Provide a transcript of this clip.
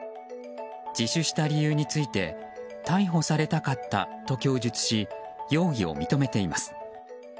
自首した理由について逮捕されたかったと話し容疑を認めています。